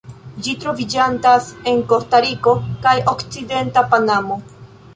Ĝi troviĝantas en Kostariko kaj okcidenta Panamo.